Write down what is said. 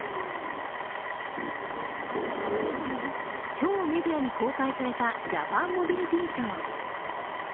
今日、メディアに公開されたジャパンモビリティショー。